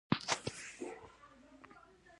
قلم د هېواد ویاړ بیانوي